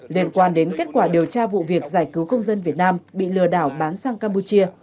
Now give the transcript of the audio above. liên quan đến kết quả điều tra vụ việc giải cứu công dân việt nam bị lừa đảo bán sang campuchia